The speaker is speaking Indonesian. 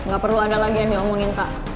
gak perlu ada lagi yang diomongin kak